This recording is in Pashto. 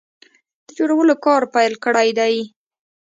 د جوړولو کار پیل کړی دی